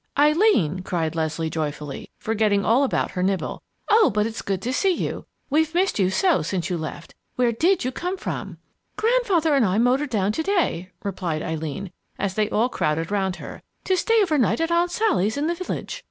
"Eileen!" cried Leslie, joyfully, forgetting all about her nibble. "Oh, but it's good to see you! We've missed you so since you left. Where did you come from?" "Grandfather and I motored down to day," replied Eileen, as they all crowded round her, "to stay over night at Aunt Sally's in the village.